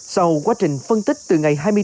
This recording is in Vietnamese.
sau quá trình tập trung tại các khách sạn tại hội anh